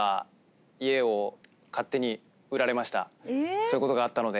そういうことがあったので。